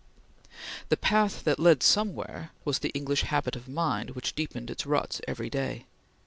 The path that led somewhere was the English habit of mind which deepened its ruts every day.